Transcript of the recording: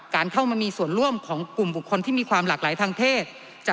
เข้ามามีส่วนร่วมของกลุ่มบุคคลที่มีความหลากหลายทางเพศ